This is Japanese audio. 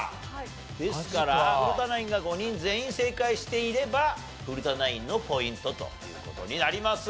ですから古田ナインが５人全員正解していれば古田ナインのポイントという事になります。